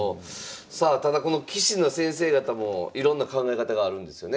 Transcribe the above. さあただこの棋士の先生方もいろんな考え方があるんですよね。